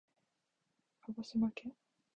かごしまけん